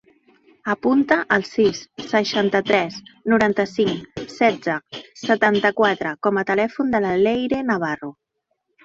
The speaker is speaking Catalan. Apunta el sis, seixanta-tres, noranta-cinc, setze, setanta-quatre com a telèfon de la Leyre Navarro.